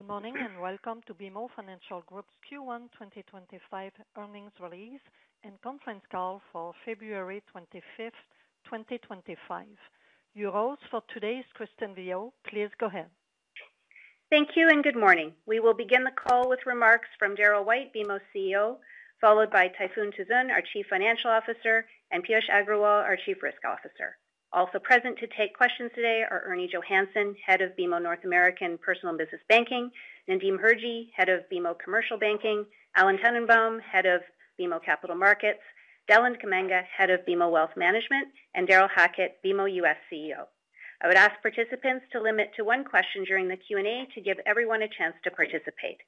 Good morning and welcome to BMO Financial Group's Q1 2025 earnings release and conference call for February 25th, 2025. Over to today's Christine Viau, please go ahead. Thank you and good morning. We will begin the call with remarks from Darryl White, BMO CEO, followed by Tayfun Tuzun, our Chief Financial Officer, and Piyush Agrawal, our Chief Risk Officer. Also present to take questions today are Ernie Johannson, Head of BMO North American Personal and Business Banking, Nadim Hirji, Head of BMO Commercial Banking, Alan Tannenbaum, Head of BMO Capital Markets, Deland Kamanga, Head of BMO Wealth Management, and Darrel Hackett, BMO U.S. CEO. I would ask participants to limit to one question during the Q&A to give everyone a chance to participate.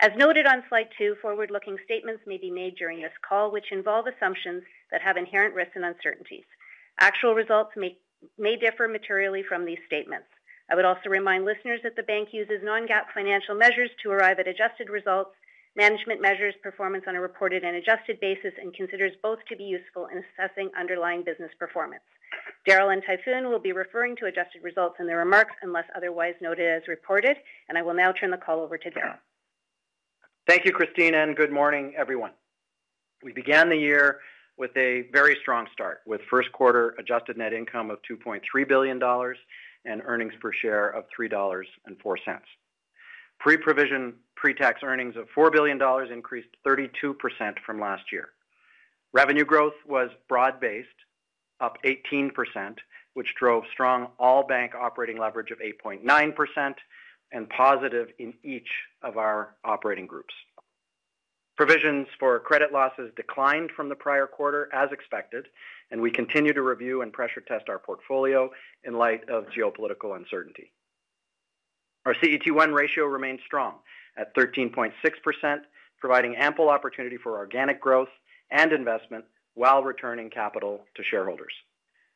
As noted on slide two, forward-looking statements may be made during this call, which involve assumptions that have inherent risks and uncertainties. Actual results may differ materially from these statements. I would also remind listeners that the bank uses non-GAAP financial measures to arrive at adjusted results. Management measures performance on a reported and adjusted basis, and considers both to be useful in assessing underlying business performance. Darryl and Tayfun will be referring to adjusted results in their remarks unless otherwise noted as reported, and I will now turn the call over to Darryl. Thank you, Christine, and good morning, everyone. We began the year with a very strong start, with first quarter adjusted net income of 2.3 billion dollars and earnings per share of 3.04 dollars. Pre-provision pretax earnings of 4 billion dollars increased 32% from last year. Revenue growth was broad-based, up 18%, which drove strong all-bank operating leverage of 8.9% and positive in each of our operating groups. Provisions for credit losses declined from the prior quarter, as expected, and we continue to review and pressure test our portfolio in light of geopolitical uncertainty. Our CET1 ratio remained strong at 13.6%, providing ample opportunity for organic growth and investment while returning capital to shareholders.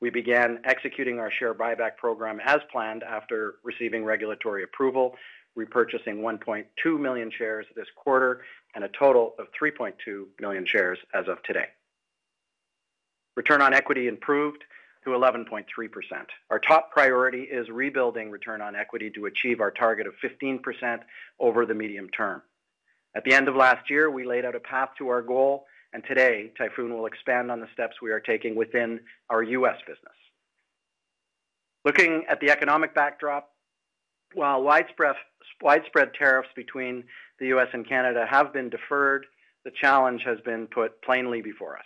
We began executing our share buyback program as planned after receiving regulatory approval, repurchasing 1.2 million shares this quarter and a total of 3.2 million shares as of today. Return on equity improved to 11.3%. Our top priority is rebuilding return on equity to achieve our target of 15% over the medium term. At the end of last year, we laid out a path to our goal, and today, Tayfun will expand on the steps we are taking within our U.S. business. Looking at the economic backdrop, while widespread tariffs between the U.S. and Canada have been deferred, the challenge has been put plainly before us.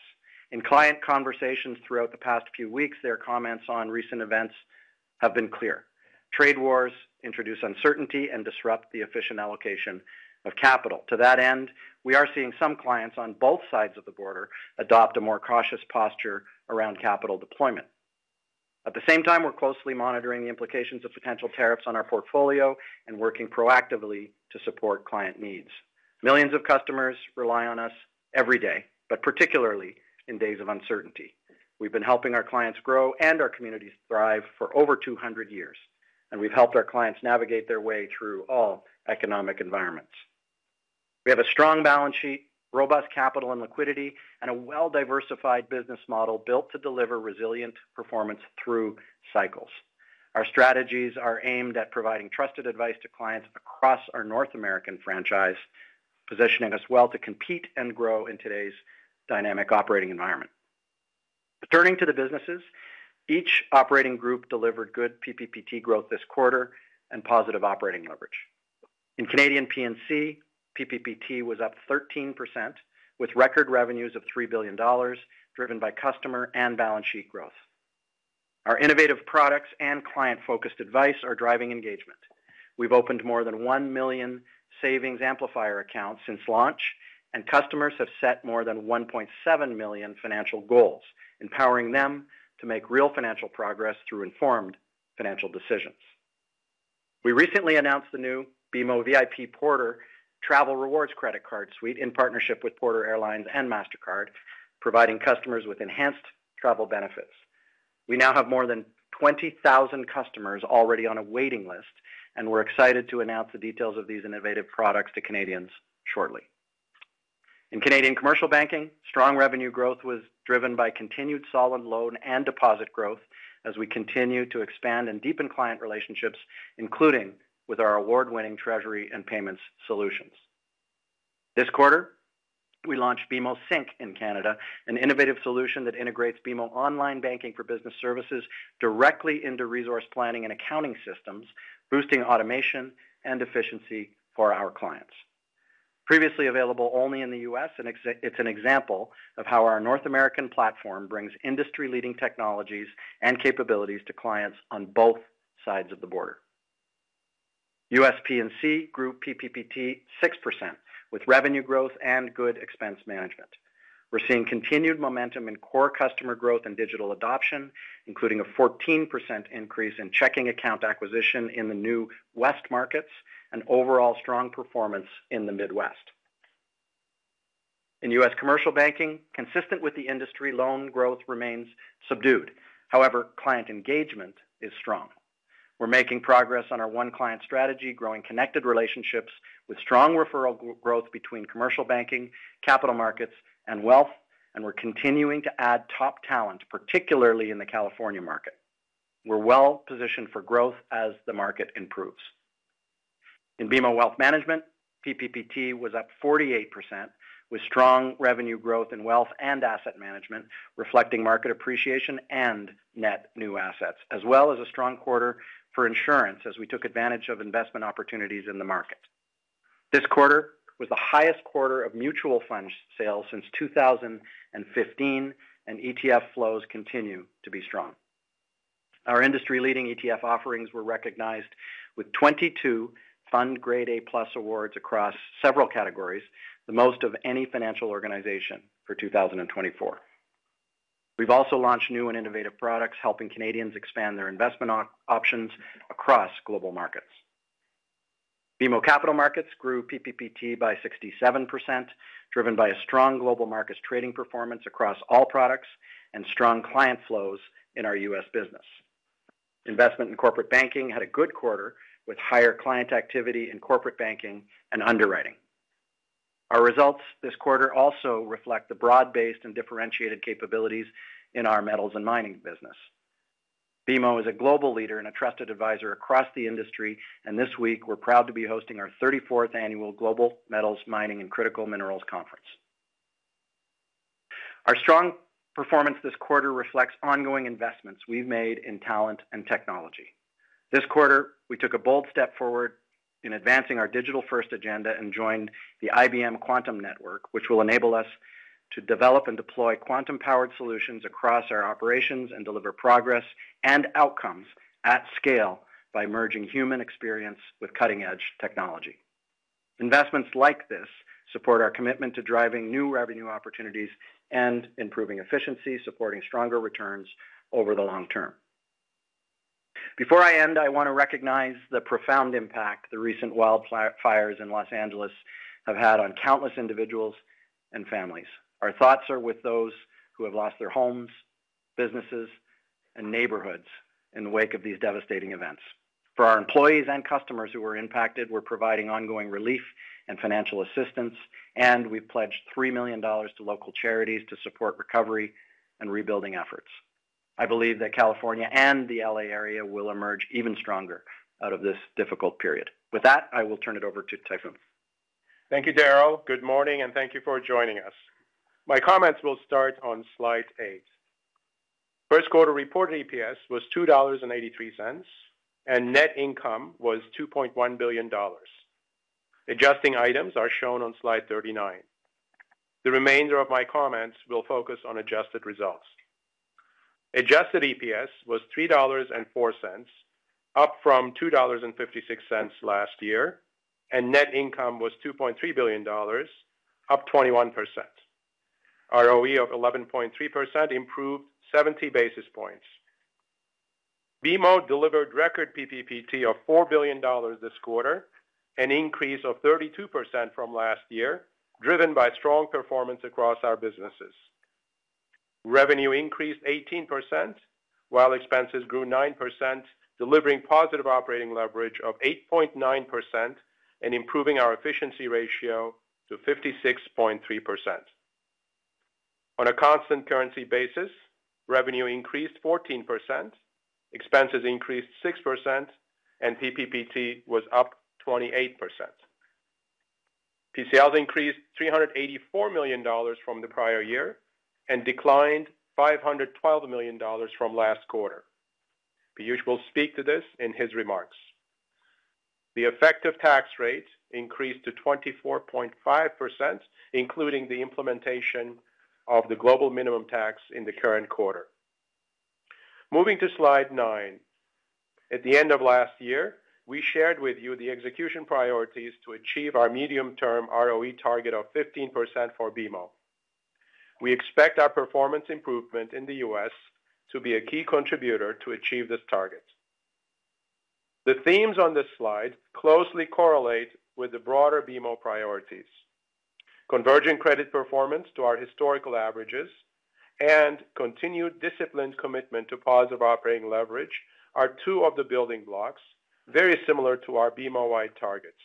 In client conversations throughout the past few weeks, their comments on recent events have been clear. Trade wars introduce uncertainty and disrupt the efficient allocation of capital. To that end, we are seeing some clients on both sides of the border adopt a more cautious posture around capital deployment. At the same time, we're closely monitoring the implications of potential tariffs on our portfolio and working proactively to support client needs. Millions of customers rely on us every day, but particularly in days of uncertainty. We've been helping our clients grow and our communities thrive for over 200 years, and we've helped our clients navigate their way through all economic environments. We have a strong balance sheet, robust capital and liquidity, and a well-diversified business model built to deliver resilient performance through cycles. Our strategies are aimed at providing trusted advice to clients across our North American franchise, positioning us well to compete and grow in today's dynamic operating environment. Returning to the businesses, each operating group delivered good PPPT growth this quarter and positive operating leverage. In Canadian P&C, PPPT was up 13%, with record revenues of 3 billion dollars driven by customer and balance sheet growth. Our innovative products and client-focused advice are driving engagement. We've opened more than 1 million Savings Amplifier accounts since launch, and customers have set more than 1.7 million financial goals, empowering them to make real financial progress through informed financial decisions. We recently announced the new BMO VIPorter Travel Rewards credit card suite in partnership with Porter Airlines and Mastercard, providing customers with enhanced travel benefits. We now have more than 20,000 customers already on a waiting list, and we're excited to announce the details of these innovative products to Canadians shortly. In Canadian commercial banking, strong revenue growth was driven by continued solid loan and deposit growth as we continue to expand and deepen client relationships, including with our award-winning treasury and payments solutions. This quarter, we launched BMO Sync in Canada, an innovative solution that integrates BMO Online Banking for Business services directly into resource planning and accounting systems, boosting automation and efficiency for our clients. Previously available only in the U.S., it's an example of how our North American platform brings industry-leading technologies and capabilities to clients on both sides of the border. U.S. P&C grew PPPT 6%, with revenue growth and good expense management. We're seeing continued momentum in core customer growth and digital adoption, including a 14% increase in checking account acquisition in the new West markets and overall strong performance in the Midwest. In U.S. commercial banking, consistent with the industry, loan growth remains subdued. However, client engagement is strong. We're making progress on our one-client strategy, growing connected relationships with strong referral growth between commercial banking, capital markets, and wealth, and we're continuing to add top talent, particularly in the California market. We're well-positioned for growth as the market improves. In BMO Wealth Management, PPPT was up 48%, with strong revenue growth in wealth and asset management, reflecting market appreciation and net new assets, as well as a strong quarter for insurance as we took advantage of investment opportunities in the market. This quarter was the highest quarter of mutual fund sales since 2015, and ETF flows continue to be strong. Our industry-leading ETF offerings were recognized with 22 FundGrade A+ awards across several categories, the most of any financial organization for 2024. We've also launched new and innovative products, helping Canadians expand their investment options across global markets. BMO Capital Markets grew PPPT by 67%, driven by a strong global markets trading performance across all products and strong client flows in our U.S. business. Investment and corporate banking had a good quarter, with higher client activity in corporate banking and underwriting. Our results this quarter also reflect the broad-based and differentiated capabilities in our metals and mining business. BMO is a global leader and a trusted advisor across the industry, and this week, we're proud to be hosting our 34th annual Global Metals, Mining, and Critical Minerals Conference. Our strong performance this quarter reflects ongoing investments we've made in talent and technology. This quarter, we took a bold step forward in advancing our digital-first agenda and joined the IBM Quantum Network, which will enable us to develop and deploy quantum-powered solutions across our operations and deliver progress and outcomes at scale by merging human experience with cutting-edge technology. Investments like this support our commitment to driving new revenue opportunities and improving efficiency, supporting stronger returns over the long term. Before I end, I want to recognize the profound impact the recent wildfires in Los Angeles have had on countless individuals and families. Our thoughts are with those who have lost their homes, businesses, and neighborhoods in the wake of these devastating events. For our employees and customers who were impacted, we're providing ongoing relief and financial assistance, and we've pledged 3 million dollars to local charities to support recovery and rebuilding efforts. I believe that California and the L.A. area will emerge even stronger out of this difficult period. With that, I will turn it over to Tayfun. Thank you, Darryl. Good morning, and thank you for joining us. My comments will start on slide eight. First quarter reported EPS was $2.83, and net income was $2.1 billion. Adjusting items are shown on slide 39. The remainder of my comments will focus on adjusted results. Adjusted EPS was $3.04, up from $2.56 last year, and net income was $2.3 billion, up 21%. ROE of 11.3% improved 70 basis points. BMO delivered record PPPT of $4 billion this quarter, an increase of 32% from last year, driven by strong performance across our businesses. Revenue increased 18%, while expenses grew 9%, delivering positive operating leverage of 8.9% and improving our efficiency ratio to 56.3%. On a constant currency basis, revenue increased 14%, expenses increased 6%, and PPPT was up 28%. PCLs increased $384 million from the prior year and declined $512 million from last quarter. Piyush will speak to this in his remarks. The effective tax rate increased to 24.5%, including the implementation of the global minimum tax in the current quarter. Moving to slide nine, at the end of last year, we shared with you the execution priorities to achieve our medium-term ROE target of 15% for BMO. We expect our performance improvement in the U.S. to be a key contributor to achieve this target. The themes on this slide closely correlate with the broader BMO priorities. Converging credit performance to our historical averages and continued disciplined commitment to positive operating leverage are two of the building blocks very similar to our BMO-wide targets.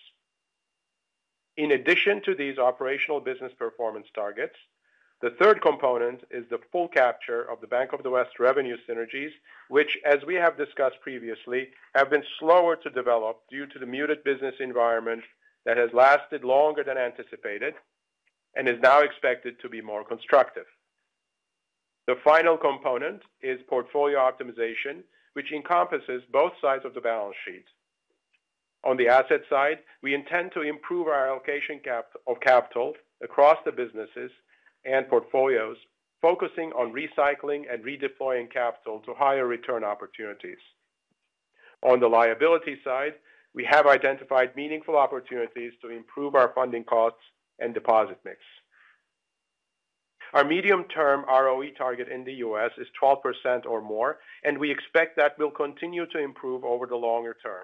In addition to these operational business performance targets, the third component is the full capture of the Bank of the West revenue synergies, which, as we have discussed previously, have been slower to develop due to the muted business environment that has lasted longer than anticipated and is now expected to be more constructive. The final component is portfolio optimization, which encompasses both sides of the balance sheet. On the asset side, we intend to improve our allocation of capital across the businesses and portfolios, focusing on recycling and redeploying capital to higher return opportunities. On the liability side, we have identified meaningful opportunities to improve our funding costs and deposit mix. Our medium-term ROE target in the U.S. is 12% or more, and we expect that will continue to improve over the longer term.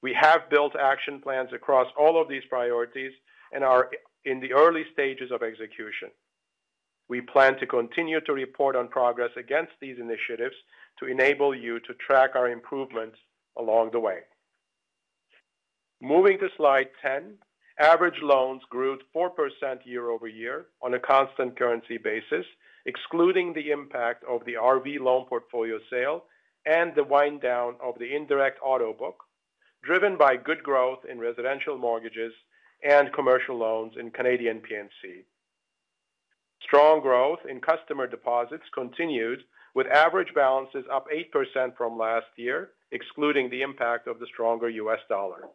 We have built action plans across all of these priorities and are in the early stages of execution. We plan to continue to report on progress against these initiatives to enable you to track our improvements along the way. Moving to Slide 10, average loans grew 4% year-over-year on a constant currency basis, excluding the impact of the RV loan portfolio sale and the wind-down of the indirect auto book, driven by good growth in residential mortgages and commercial loans in Canadian P&C. Strong growth in customer deposits continued, with average balances up 8% from last year, excluding the impact of the stronger U.S. dollar.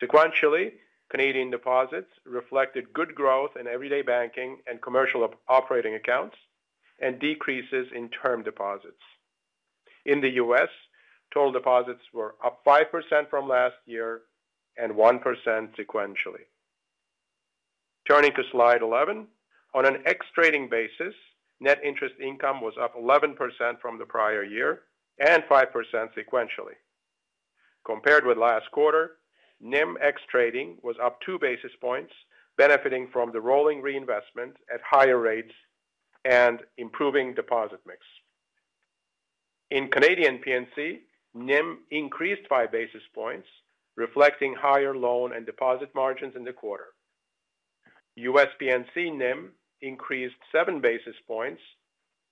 Sequentially, Canadian deposits reflected good growth in everyday banking and commercial operating accounts and decreases in term deposits. In the U.S., total deposits were up 5% from last year and 1% sequentially. Turning to slide 11, on an ex-trading basis, net interest income was up 11% from the prior year and 5% sequentially. Compared with last quarter, NIM ex-trading was up two basis points, benefiting from the rolling reinvestment at higher rates and improving deposit mix. In Canadian P&C, NIM increased five basis points, reflecting higher loan and deposit margins in the quarter. U.S. P&C NIM increased seven basis points,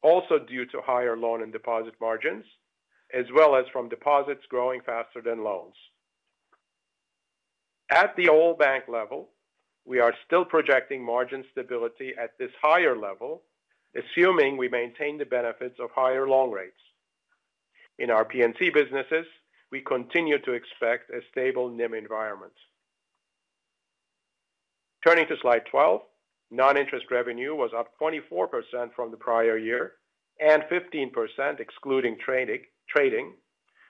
also due to higher loan and deposit margins, as well as from deposits growing faster than loans. At the all-bank level, we are still projecting margin stability at this higher level, assuming we maintain the benefits of higher loan rates. In our P&C businesses, we continue to expect a stable NIM environment. Turning to slide twelve, non-interest revenue was up 24% from the prior year and 15%, excluding trading,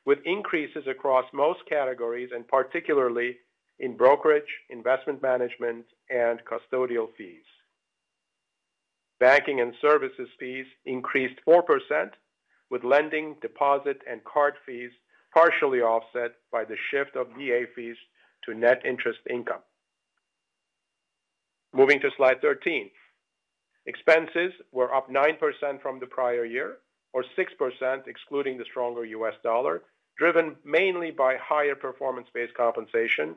with increases across most categories and particularly in brokerage, investment management, and custodial fees. Banking and services fees increased 4%, with lending, deposit, and card fees partially offset by the shift of BA fees to net interest income. Moving to slide thirteen, expenses were up 9% from the prior year, or 6%, excluding the stronger U.S. dollar, driven mainly by higher performance-based compensation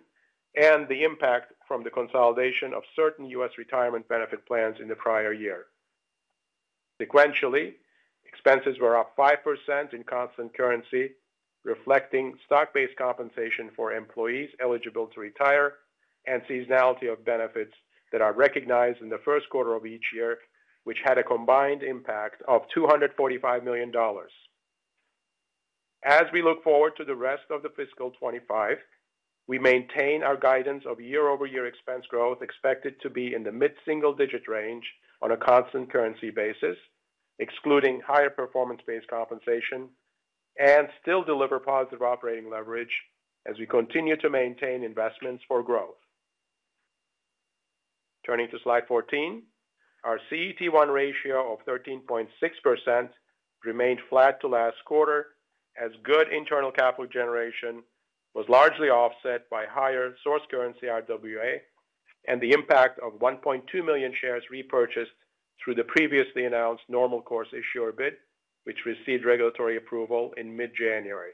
and the impact from the consolidation of certain U.S. retirement benefit plans in the prior year. Sequentially, expenses were up 5% in constant currency, reflecting stock-based compensation for employees eligible to retire and seasonality of benefits that are recognized in the first quarter of each year, which had a combined impact of $245 million. As we look forward to the rest of the fiscal 2025, we maintain our guidance of year-over-year expense growth expected to be in the mid-single-digit range on a constant currency basis, excluding higher performance-based compensation, and still deliver positive operating leverage as we continue to maintain investments for growth. Turning to slide 14, our CET1 ratio of 13.6% remained flat to last quarter, as good internal capital generation was largely offset by higher source currency RWA and the impact of 1.2 million shares repurchased through the previously announced normal course issuer bid, which received regulatory approval in mid-January.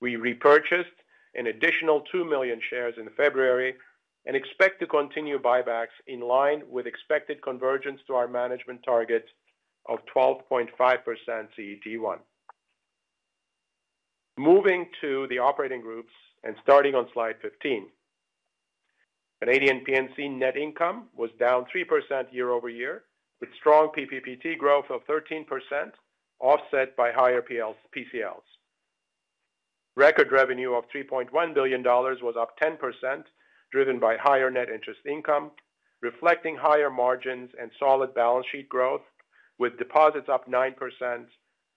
We repurchased an additional 2 million shares in February and expect to continue buybacks in line with expected convergence to our management target of 12.5% CET1. Moving to the operating groups and starting on slide 15, Canadian P&C net income was down 3% year-over-year, with strong PPPT growth of 13%, offset by higher PCLs. Record revenue of 3.1 billion dollars was up 10%, driven by higher net interest income, reflecting higher margins and solid balance sheet growth, with deposits up 9%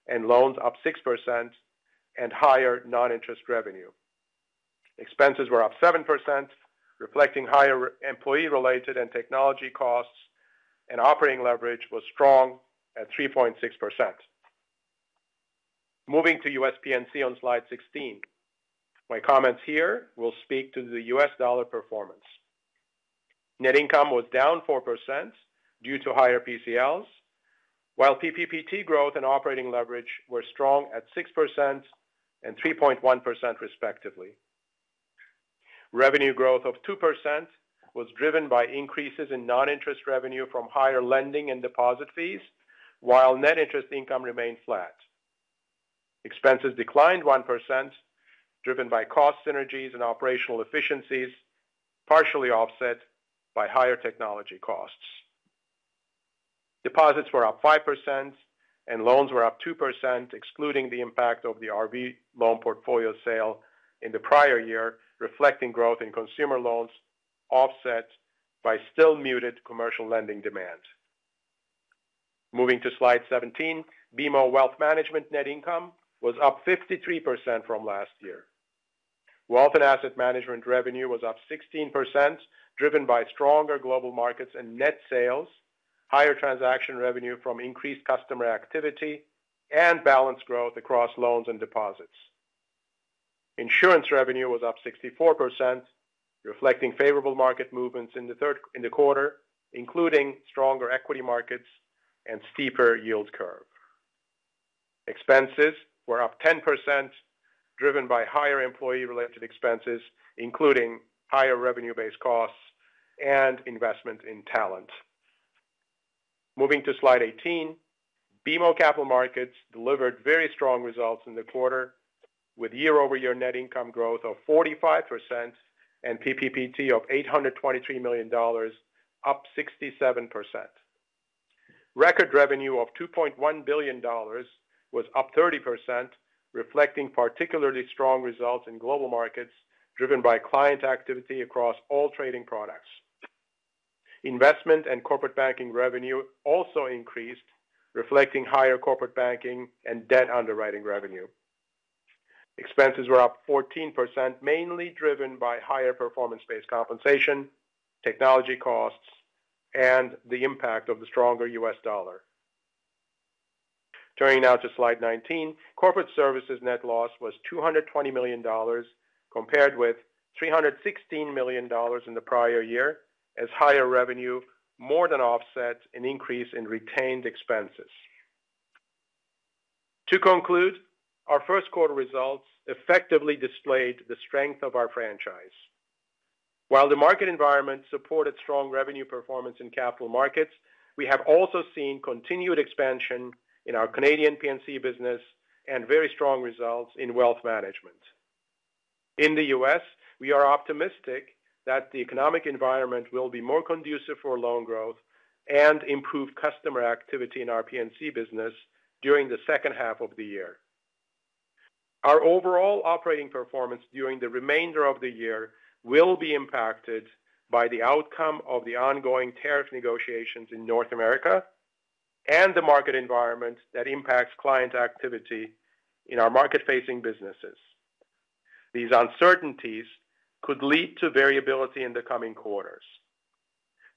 and loans up 6% and higher non-interest revenue. Expenses were up 7%, reflecting higher employee-related and technology costs, and operating leverage was strong at 3.6%. Moving to U.S. P&C on slide 16, my comments here will speak to the U.S. dollar performance. Net income was down 4% due to higher PCLs, while PPPT growth and operating leverage were strong at 6% and 3.1%, respectively. Revenue growth of 2% was driven by increases in non-interest revenue from higher lending and deposit fees, while net interest income remained flat. Expenses declined 1%, driven by cost synergies and operational efficiencies, partially offset by higher technology costs. Deposits were up 5%, and loans were up 2%, excluding the impact of the RV loan portfolio sale in the prior year, reflecting growth in consumer loans, offset by still muted commercial lending demand. Moving to slide 17, BMO Wealth Management net income was up 53% from last year. Wealth and asset management revenue was up 16%, driven by stronger global markets and net sales, higher transaction revenue from increased customer activity, and balance growth across loans and deposits. Insurance revenue was up 64%, reflecting favorable market movements in the quarter, including stronger equity markets and steeper yield curve. Expenses were up 10%, driven by higher employee-related expenses, including higher revenue-based costs and investment in talent. Moving to slide 18, BMO Capital Markets delivered very strong results in the quarter, with year-over-year net income growth of 45% and PPPT of $823 million, up 67%. Record revenue of $2.1 billion was up 30%, reflecting particularly strong results in global markets, driven by client activity across all trading products. Investment and corporate banking revenue also increased, reflecting higher corporate banking and debt underwriting revenue. Expenses were up 14%, mainly driven by higher performance-based compensation, technology costs, and the impact of the stronger U.S. dollar. Turning now to slide 19, corporate services net loss was $220 million, compared with $316 million in the prior year, as higher revenue more than offset an increase in retained expenses. To conclude, our first quarter results effectively displayed the strength of our franchise. While the market environment supported strong revenue performance in capital markets, we have also seen continued expansion in our Canadian P&C business and very strong results in wealth management. In the U.S., we are optimistic that the economic environment will be more conducive for loan growth and improve customer activity in our P&C business during the second half of the year. Our overall operating performance during the remainder of the year will be impacted by the outcome of the ongoing tariff negotiations in North America and the market environment that impacts client activity in our market-facing businesses. These uncertainties could lead to variability in the coming quarters.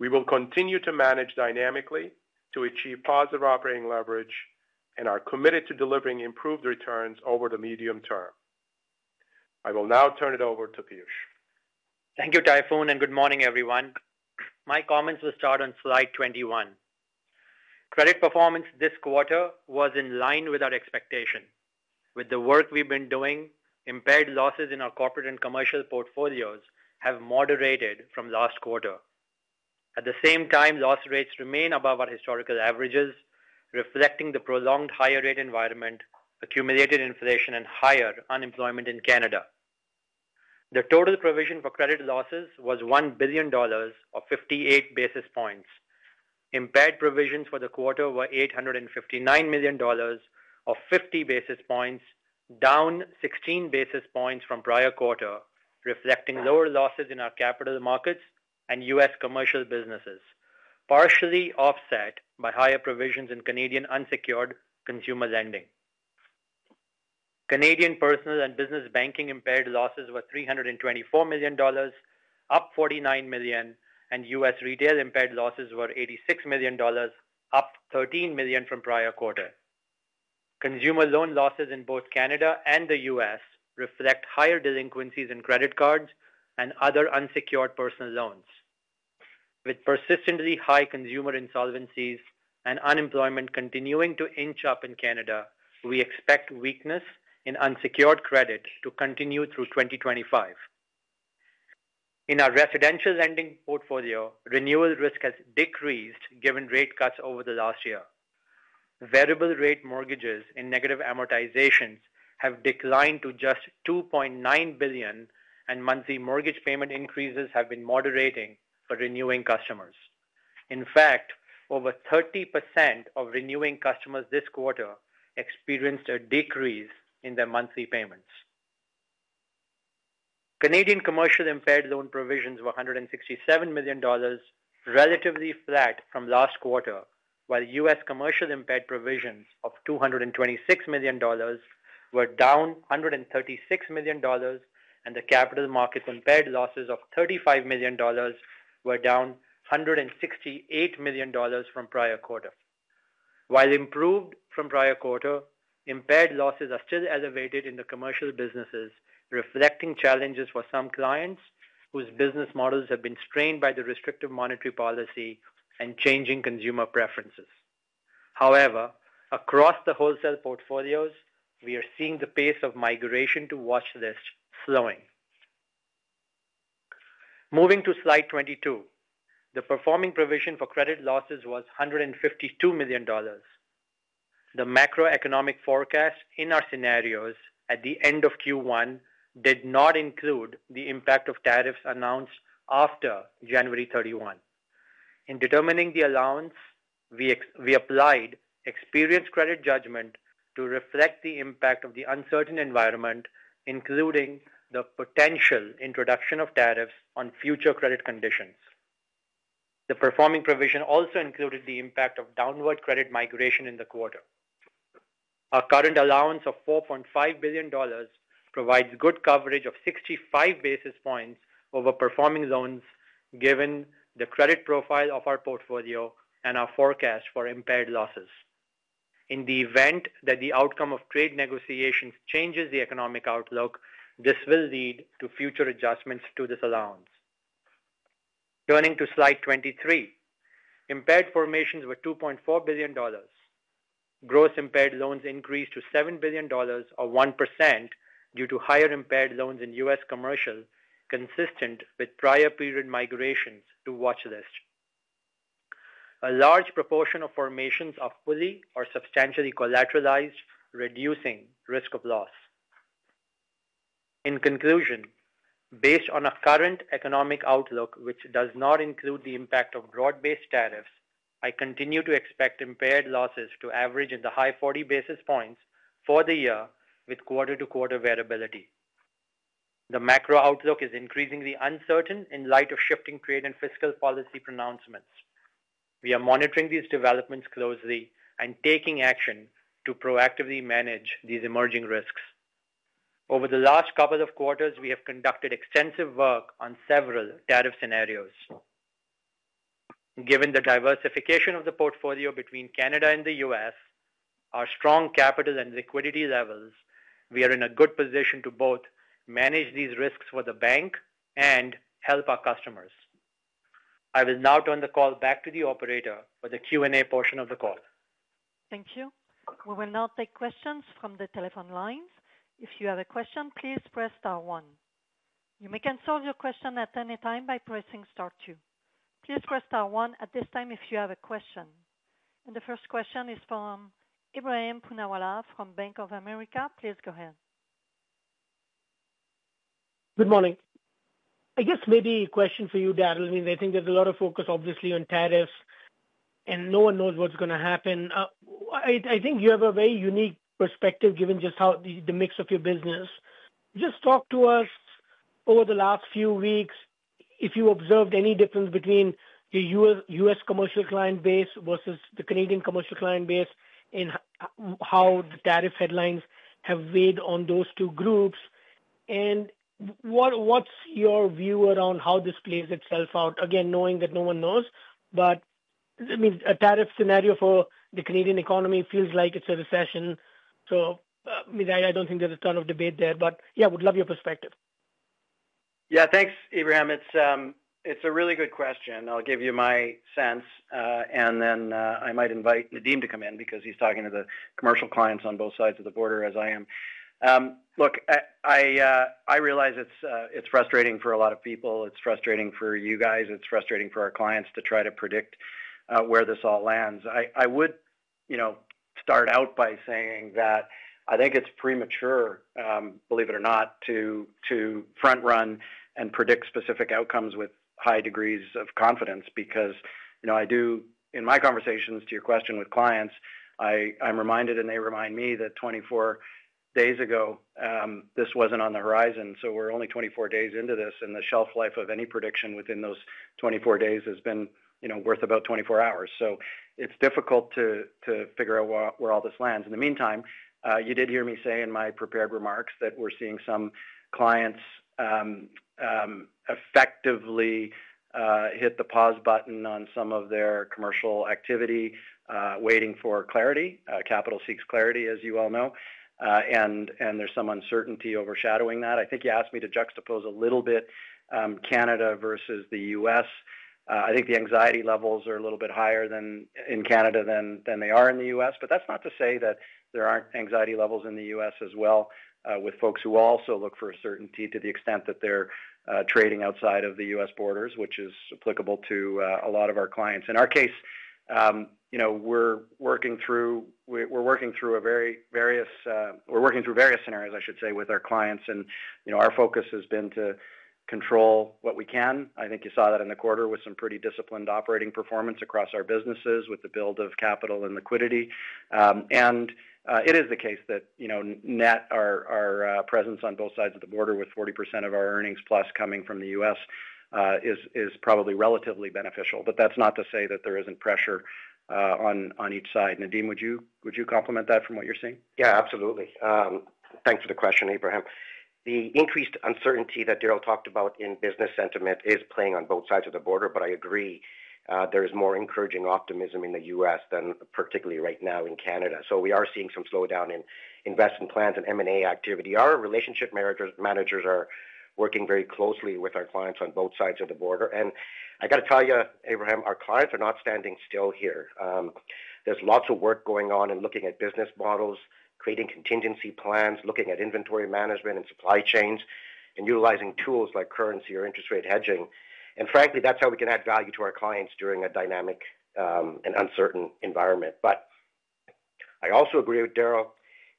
We will continue to manage dynamically to achieve positive operating leverage and are committed to delivering improved returns over the medium term. I will now turn it over to Piyush. Thank you, Tayfun, and good morning, everyone. My comments will start on slide twenty-one. Credit performance this quarter was in line with our expectation. With the work we've been doing, impaired losses in our corporate and commercial portfolios have moderated from last quarter. At the same time, loss rates remain above our historical averages, reflecting the prolonged higher-rate environment, accumulated inflation, and higher unemployment in Canada. The total provision for credit losses was 1 billion dollars of 58 basis points. Impaired provisions for the quarter were 859 million dollars of 50 basis points, down 16 basis points from prior quarter, reflecting lower losses in our capital markets and U.S. commercial businesses, partially offset by higher provisions in Canadian unsecured consumer lending. Canadian personal and business banking impaired losses were 324 million dollars, up 49 million, and U.S. retail impaired losses were 86 million dollars, up 13 million from prior quarter. Consumer loan losses in both Canada and the U.S. reflect higher delinquencies in credit cards and other unsecured personal loans. With persistently high consumer insolvencies and unemployment continuing to inch up in Canada, we expect weakness in unsecured credit to continue through 2025. In our residential lending portfolio, renewal risk has decreased given rate cuts over the last year. Variable-rate mortgages and negative amortizations have declined to just 2.9 billion, and monthly mortgage payment increases have been moderating for renewing customers. In fact, over 30% of renewing customers this quarter experienced a decrease in their monthly payments. Canadian commercial impaired loan provisions were 167 million dollars, relatively flat from last quarter, while U.S. commercial impaired provisions of $226 million were down $136 million, and the capital markets impaired losses of 35 million dollars were down 168 million dollars from prior quarter. While improved from prior quarter, impaired losses are still elevated in the commercial businesses, reflecting challenges for some clients whose business models have been strained by the restrictive monetary policy and changing consumer preferences. However, across the wholesale portfolios, we are seeing the pace of migration to watch list slowing. Moving to slide 22, the performing provision for credit losses was 152 million dollars. The macroeconomic forecast in our scenarios at the end of Q1 did not include the impact of tariffs announced after January thirty-one. In determining the allowance, we applied experienced credit judgment to reflect the impact of the uncertain environment, including the potential introduction of tariffs on future credit conditions. The performing provision also included the impact of downward credit migration in the quarter. Our current allowance of 4.5 billion dollars provides good coverage of 65 basis points over performing loans, given the credit profile of our portfolio and our forecast for impaired losses. In the event that the outcome of trade negotiations changes the economic outlook, this will lead to future adjustments to this allowance. Turning to slide 23, impaired formations were 2.4 billion dollars. Gross impaired loans increased to 7 billion dollars, or 1%, due to higher impaired loans in U.S. commercial, consistent with prior period migrations to watch list. A large proportion of formations are fully or substantially collateralized, reducing risk of loss. In conclusion, based on a current economic outlook, which does not include the impact of broad-based tariffs, I continue to expect impaired losses to average in the high 40 basis points for the year, with quarter-to-quarter variability. The macro outlook is increasingly uncertain in light of shifting trade and fiscal policy pronouncements. We are monitoring these developments closely and taking action to proactively manage these emerging risks. Over the last couple of quarters, we have conducted extensive work on several tariff scenarios. Given the diversification of the portfolio between Canada and the U.S., our strong capital and liquidity levels, we are in a good position to both manage these risks for the bank and help our customers. I will now turn the call back to the operator for the Q&A portion of the call. Thank you. We will now take questions from the telephone lines. If you have a question, please press star one. You may cancel your question at any time by pressing star two. Please press star one at this time if you have a question. And the first question is from Ebrahim Poonawala from Bank of America. Please go ahead. Good morning. I guess maybe a question for you, Darryl. I mean, I think there's a lot of focus, obviously, on tariffs, and no one knows what's going to happen. I think you have a very unique perspective, given just how the mix of your business. Just talk to us over the last few weeks if you observed any difference between your U.S. commercial client base versus the Canadian commercial client base and how the tariff headlines have weighed on those two groups. And what's your view around how this plays itself out? Again, knowing that no one knows, but I mean, a tariff scenario for the Canadian economy feels like it's a recession. So I mean, I don't think there's a ton of debate there, but yeah, would love your perspective. Yeah, thanks, Ebrahim. It's a really good question. I'll give you my sense, and then I might invite Nadim to come in because he's talking to the commercial clients on both sides of the border, as I am. Look, I realize it's frustrating for a lot of people. It's frustrating for you guys. It's frustrating for our clients to try to predict where this all lands. I would start out by saying that I think it's premature, believe it or not, to front-run and predict specific outcomes with high degrees of confidence because I do, in my conversations to your question with clients, I'm reminded, and they remind me that 24 days ago, this wasn't on the horizon. So we're only 24 days into this, and the shelf life of any prediction within those 24 days has been worth about 24 hours. So it's difficult to figure out where all this lands. In the meantime, you did hear me say in my prepared remarks that we're seeing some clients effectively hit the pause button on some of their commercial activity waiting for clarity. Capital seeks clarity, as you all know, and there's some uncertainty overshadowing that. I think you asked me to juxtapose a little bit Canada versus the U.S. I think the anxiety levels are a little bit higher in Canada than they are in the U.S., but that's not to say that there aren't anxiety levels in the U.S. as well, with folks who also look for certainty to the extent that they're trading outside of the U.S. borders, which is applicable to a lot of our clients. In our case, we're working through various scenarios, I should say, with our clients, and our focus has been to control what we can. I think you saw that in the quarter with some pretty disciplined operating performance across our businesses with the build of capital and liquidity. And it is the case that given our presence on both sides of the border with 40% of our earnings plus coming from the U.S. is probably relatively beneficial, but that's not to say that there isn't pressure on each side. Nadim, would you comment on that from what you're seeing? Yeah, absolutely. Thanks for the question, Ebrahim. The increased uncertainty that Darryl talked about in business sentiment is playing on both sides of the border, but I agree there is more encouraging optimism in the U.S. than particularly right now in Canada. So we are seeing some slowdown in investment plans and M&A activity. Our relationship managers are working very closely with our clients on both sides of the border. I got to tell you, Ebrahim, our clients are not standing still here. There's lots of work going on in looking at business models, creating contingency plans, looking at inventory management and supply chains, and utilizing tools like currency or interest rate hedging. Frankly, that's how we can add value to our clients during a dynamic and uncertain environment. I also agree with Darryl.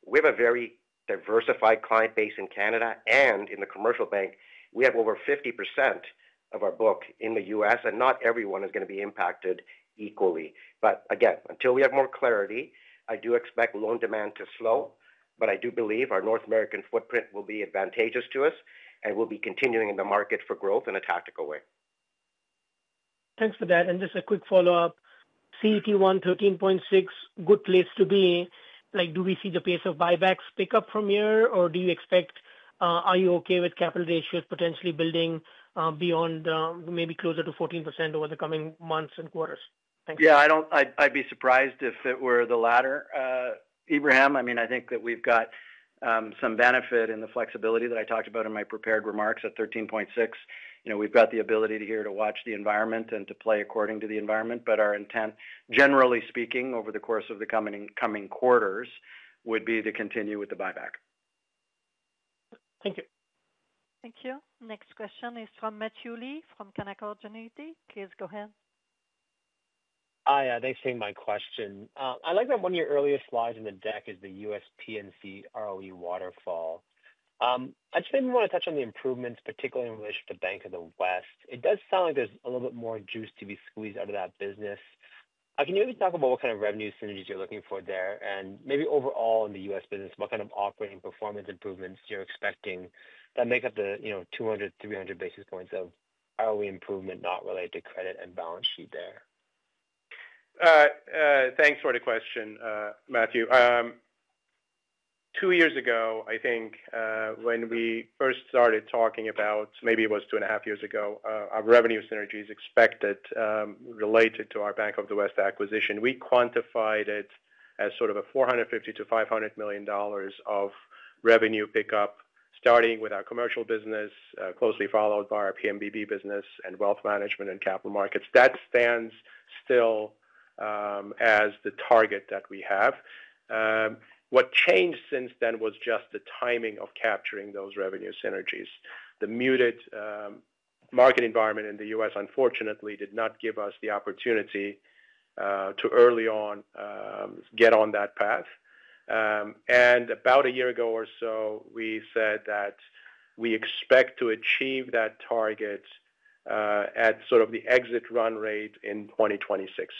We have a very diversified client base in Canada, and in the commercial bank, we have over 50% of our book in the U.S., and not everyone is going to be impacted equally. Again, until we have more clarity, I do expect loan demand to slow, but I do believe our North American footprint will be advantageous to us and will be continuing in the market for growth in a tactical way. Thanks for that. Just a quick follow-up. CET1 13.6%, good place to be. Do we see the pace of buybacks pick up from here, or do you expect are you okay with capital ratios potentially building beyond maybe closer to 14% over the coming months and quarters? Thanks. Yeah, I'd be surprised if it were the latter. Ebrahim, I mean, I think that we've got some benefit in the flexibility that I talked about in my prepared remarks at 13.6%. We've got the ability here to watch the environment and to play according to the environment, but our intent, generally speaking, over the course of the coming quarters would be to continue with the buyback. Thank you. Thank you. Next question is from Matthew Lee from Canaccord Genuity. Please go ahead. Hi, thanks for taking my question. I like that one of your earlier slides in the deck is the U.S. P&C ROE waterfall. I just maybe want to touch on the improvements, particularly in relation to Bank of the West. It does sound like there's a little bit more juice to be squeezed out of that business. Can you maybe talk about what kind of revenue synergies you're looking for there? And maybe overall in the U.S. business, what kind of operating performance improvements you're expecting that make up the 200, 300 basis points of ROE improvement not related to credit and balance sheet there? Thanks for the question, Matthew. Two years ago, I think when we first started talking about, maybe it was two and a half years ago, our revenue synergies expected related to our Bank of the West acquisition, we quantified it as sort of a $450 million-$500 million of revenue pickup, starting with our commercial business, closely followed by our P&BB business and wealth management and capital markets. That stands still as the target that we have. What changed since then was just the timing of capturing those revenue synergies. The muted market environment in the U.S., unfortunately, did not give us the opportunity to early on get on that path. About a year ago or so, we said that we expect to achieve that target at sort of the exit run rate in 2026.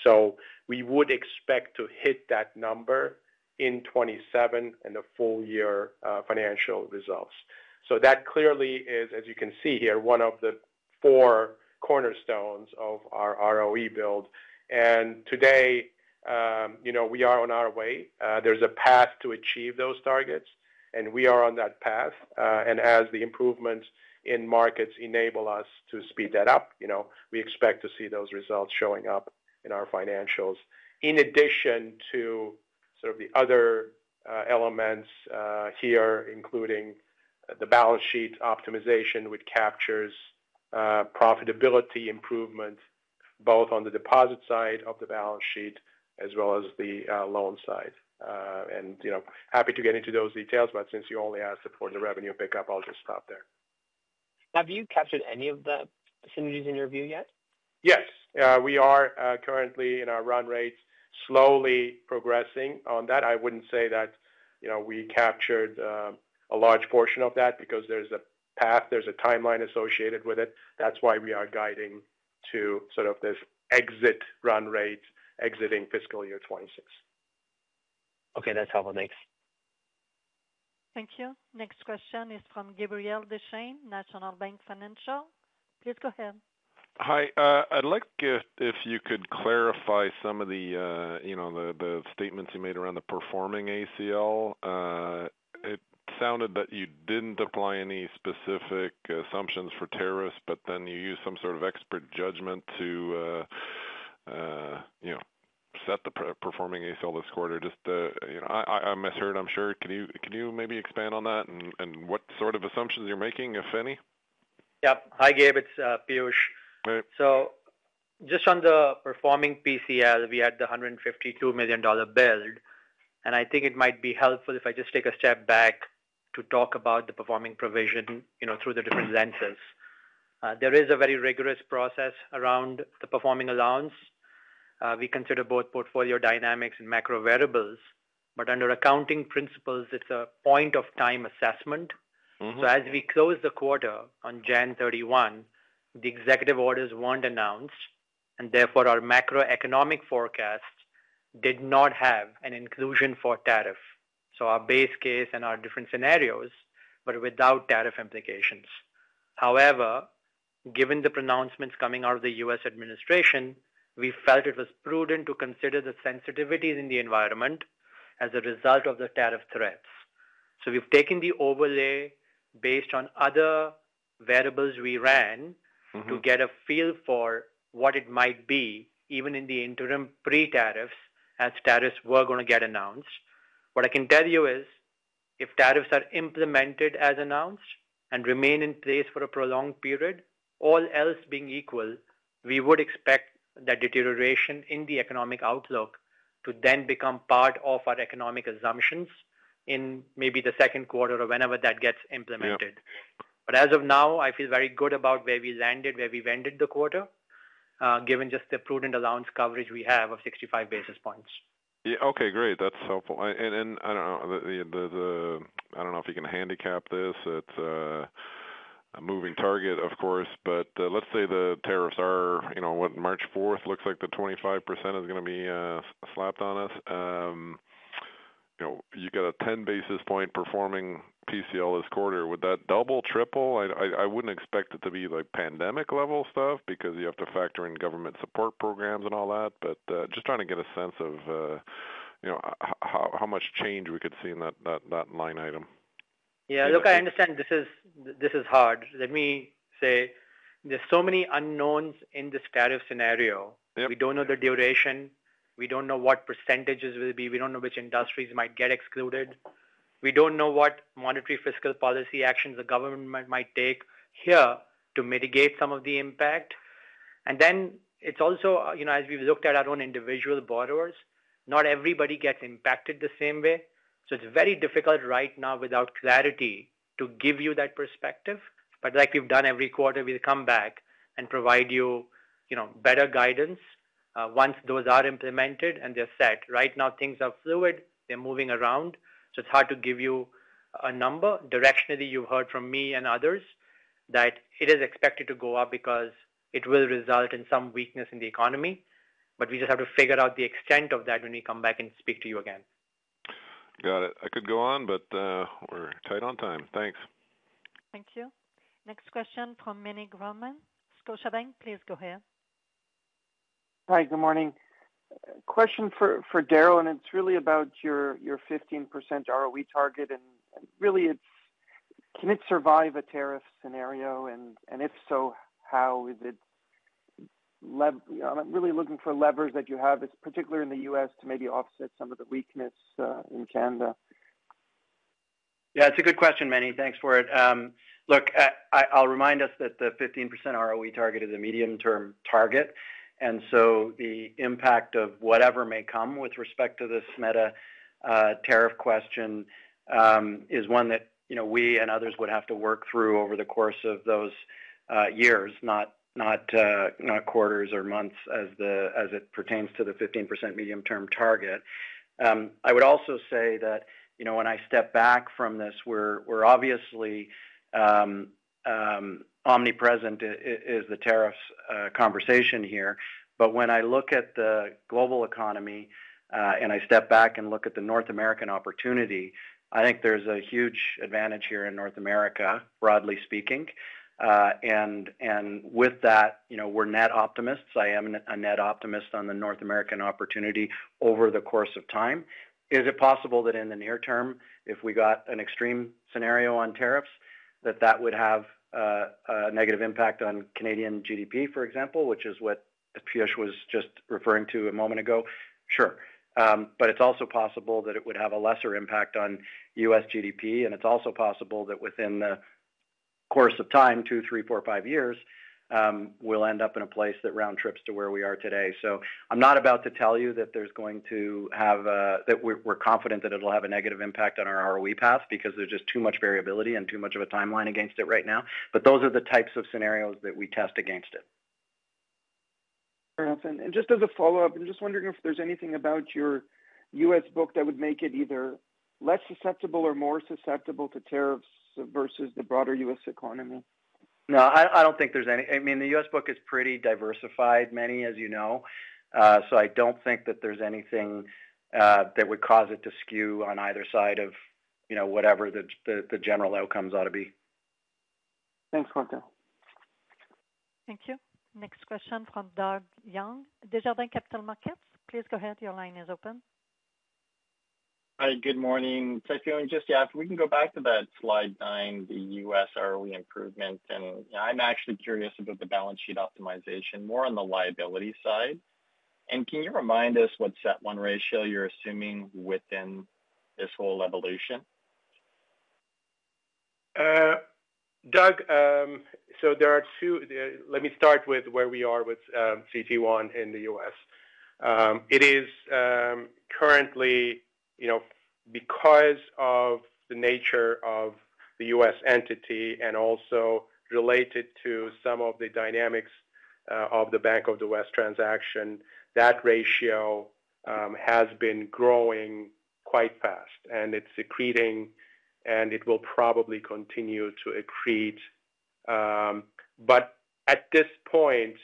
We would expect to hit that number in 2027 and the full year financial results. That clearly is, as you can see here, one of the four cornerstones of our ROE build. Today, we are on our way. There's a path to achieve those targets, and we are on that path. As the improvements in markets enable us to speed that up, we expect to see those results showing up in our financials. In addition to sort of the other elements here, including the balance sheet optimization, which captures profitability improvement both on the deposit side of the balance sheet as well as the loan side, and happy to get into those details, but since you only asked for the revenue pickup, I'll just stop there. Have you captured any of the synergies in your view yet? Yes. We are currently in our run rate, slowly progressing on that. I wouldn't say that we captured a large portion of that because there's a path, there's a timeline associated with it. That's why we are guiding to sort of this exit run rate, exiting fiscal year 2026. Okay, that's helpful. Thanks. Thank you. Next question is from Gabriel Dechaine, National Bank Financial. Please go ahead. Hi. I'd like if you could clarify some of the statements you made around the performing ACL. It sounded that you didn't apply any specific assumptions for tariffs, but then you used some sort of expert judgment to set the performing ACL this quarter. Just if I misheard, I'm sure. Can you maybe expand on that and what sort of assumptions you're making, if any? Yep. Hi, Gabe. It's Piyush. So just on the performing PCL, we had the 152 million dollar build, and I think it might be helpful if I just take a step back to talk about the performing provision through the different lenses. There is a very rigorous process around the performing allowance. We consider both portfolio dynamics and macro variables, but under accounting principles, it's a point of time assessment. So as we close the quarter on January 31, the executive orders weren't announced, and therefore our macroeconomic forecast did not have an inclusion for tariff. So our base case and our different scenarios, but without tariff implications. However, given the pronouncements coming out of the U.S. administration, we felt it was prudent to consider the sensitivities in the environment as a result of the tariff threats. So we've taken the overlay based on other variables we ran to get a feel for what it might be, even in the interim pre-tariffs, as tariffs were going to get announced. What I can tell you is if tariffs are implemented as announced and remain in place for a prolonged period, all else being equal, we would expect that deterioration in the economic outlook to then become part of our economic assumptions in maybe the second quarter or whenever that gets implemented. But as of now, I feel very good about where we landed, where we ended the quarter, given just the prudent allowance coverage we have of 65 basis points. Yeah. Okay, great. That's helpful. And I don't know if you can handicap this. It's a moving target, of course, but let's say the tariffs are, what, March 4th. Looks like the 25% is going to be slapped on us. You got a 10 basis points performing PCL this quarter. Would that double, triple? I wouldn't expect it to be pandemic-level stuff because you have to factor in government support programs and all that, but just trying to get a sense of how much change we could see in that line item. Yeah. Look, I understand this is hard. Let me say there's so many unknowns in this tariff scenario. We don't know the duration. We don't know what percentages will be. We don't know which industries might get excluded. We don't know what monetary fiscal policy actions the government might take here to mitigate some of the impact, and then it's also, as we've looked at our own individual borrowers, not everybody gets impacted the same way, so it's very difficult right now without clarity to give you that perspective, but like we've done every quarter, we'll come back and provide you better guidance once those are implemented and they're set. Right now, things are fluid. They're moving around, so it's hard to give you a number. Directionally, you've heard from me and others that it is expected to go up because it will result in some weakness in the economy, but we just have to figure out the extent of that when we come back and speak to you again. Got it. I could go on, but we're tight on time. Thanks. Thank you. Next question from Meny Grauman, Scotiabank. Please go ahead. Hi. Good morning. Question for Darryl, and it's really about your 15% ROE target. And really, can it survive a tariff scenario? And if so, how is it? I'm really looking for levers that you have, particularly in the U.S., to maybe offset some of the weakness in Canada. Yeah, it's a good question, Meny. Thanks for it. Look, I'll remind us that the 15% ROE target is a medium-term target. And so the impact of whatever may come with respect to this matter tariff question is one that we and others would have to work through over the course of those years, not quarters or months as it pertains to the 15% medium-term target. I would also say that when I step back from this, we're obviously omnipresent is the tariffs conversation here, but when I look at the global economy and I step back and look at the North American opportunity, I think there's a huge advantage here in North America, broadly speaking, and with that, we're net optimists. I am a net optimist on the North American opportunity over the course of time. Is it possible that in the near term, if we got an extreme scenario on tariffs, that that would have a negative impact on Canadian GDP, for example, which is what Piyush was just referring to a moment ago? Sure, but it's also possible that it would have a lesser impact on U.S. GDP. It's also possible that within the course of time, two, three, four, five years, we'll end up in a place that round trips to where we are today. So I'm not about to tell you that there's going to have that we're confident that it'll have a negative impact on our ROE path because there's just too much variability and too much of a timeline against it right now. Those are the types of scenarios that we test against it. Just as a follow-up, I'm just wondering if there's anything about your U.S. book that would make it either less susceptible or more susceptible to tariffs versus the broader U.S. economy. No, I don't think there's any. I mean, the U.S. book is pretty diversified, Ernie, as you know. So I don't think that there's anything that would cause it to skew on either side of whatever the general outcomes ought to be. Thanks for that. Thank you. Next question from Doug Young. Desjardins Capital Markets. Please go ahead. Your line is open. Hi. Good morning. Thank you. And just, yeah, if we can go back to that slide nine, the U.S. ROE improvement. And I'm actually curious about the balance sheet optimization, more on the liability side. And can you remind us what CET1 ratio you're assuming within this whole evolution? Doug, so there are two. Let me start with where we are with CET1 in the U.S. It is currently, because of the nature of the U.S. entity and also related to some of the dynamics of the Bank of the West transaction, that ratio has been growing quite fast. And it's decreasing, and it will probably continue to accrete. But at this point,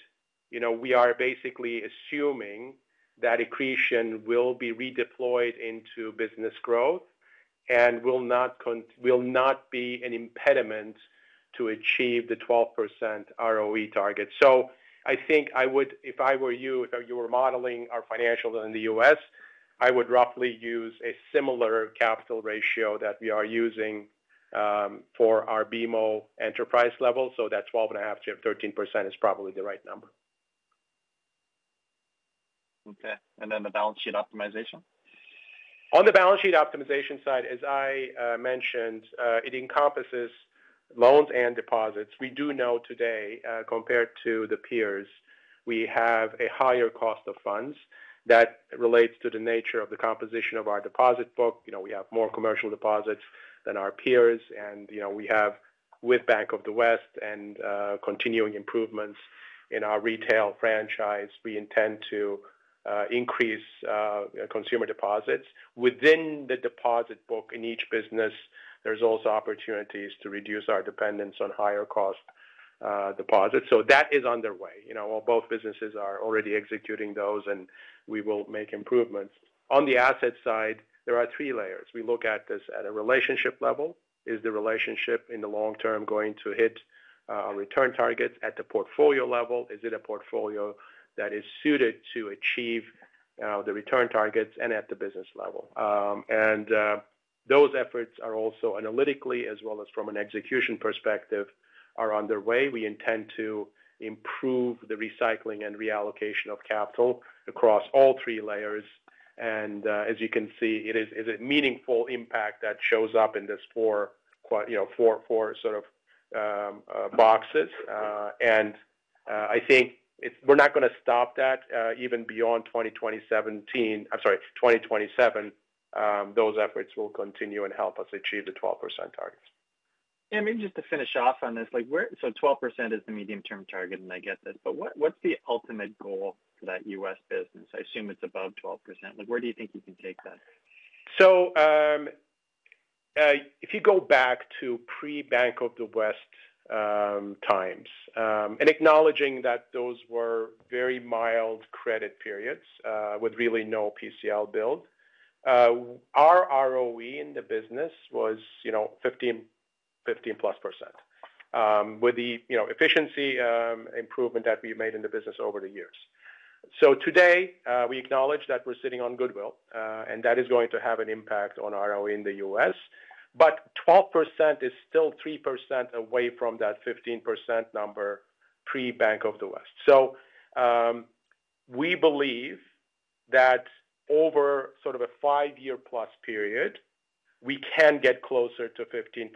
we are basically assuming that accretion will be redeployed into business growth and will not be an impediment to achieve the 12% ROE target. So I think I would, if I were you, if you were modeling our financials in the U.S., I would roughly use a similar capital ratio that we are using for our BMO enterprise level. So that 12.5%-13% is probably the4 right number. Okay. And then the balance sheet optimization? On the balance sheet optimization side, as I mentioned, it encompasses loans and deposits. We do know today, compared to the peers, we have a higher cost of funds that relates to the nature of the composition of our deposit book. We have more commercial deposits than our peers. We have, with Bank of the West and continuing improvements in our retail franchise, we intend to increase consumer deposits. Within the deposit book in each business, there's also opportunities to reduce our dependence on higher-cost deposits. That is underway. Both businesses are already executing those, and we will make improvements. On the asset side, there are three layers. We look at this at a relationship level. Is the relationship in the long term going to hit our return targets? At the portfolio level, is it a portfolio that is suited to achieve the return targets and at the business level? Those efforts are also analytically, as well as from an execution perspective, underway. We intend to improve the recycling and reallocation of capital across all three layers. As you can see, it is a meaningful impact that shows up in these four sort of boxes. I think we're not going to stop that even beyond 2027. I'm sorry, 2027, those efforts will continue and help us achieve the 12% targets. Yeah. Maybe just to finish off on this, so 12% is the medium-term target, and I get this, but what's the ultimate goal for that U.S. business? I assume it's above 12%. Where do you think you can take that? If you go back to pre-Bank of the West times, and acknowledging that those were very mild credit periods with really no PCL build, our ROE in the business was 15% plus with the efficiency improvement that we made in the business over the years. Today, we acknowledge that we're sitting on goodwill, and that is going to have an impact on ROE in the U.S. 12% is still 3% away from that 15% number pre-Bank of the West. So we believe that over sort of a five-year-plus period, we can get closer to 15%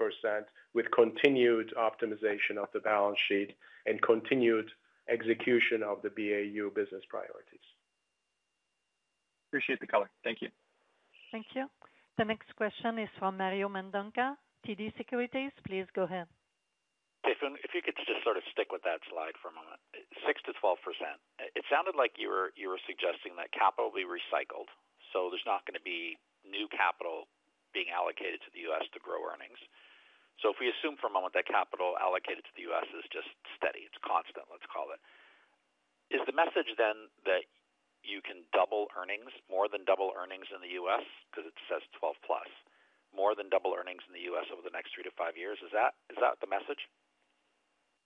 with continued optimization of the balance sheet and continued execution of the BAU business priorities. Appreciate the color. Thank you. Thank you. The next question is from Mario Mendonca, TD Securities. Please go ahead. Okay. So if you could just sort of stick with that slide for a moment. 6%-12%. It sounded like you were suggesting that capital will be recycled. So there's not going to be new capital being allocated to the U.S. to grow earnings. So if we assume for a moment that capital allocated to the U.S. is just steady, it's constant, let's call it, is the message then that you can double earnings, more than double earnings in the U.S. because it says 12 plus, more than double earnings in the U.S.? Over the next three to five years? Is that the message?